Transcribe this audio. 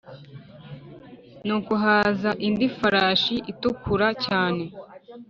Nuko haza indi farashi itukura cyane,